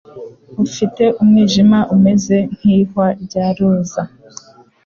Ufite Umwijima umeze nk'ihwa rya roza.